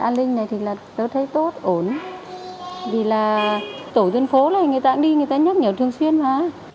an ninh này thì là tôi thấy tốt ổn vì là tổ dân phố này người ta cũng đi người ta nhắc nhở thường xuyên mà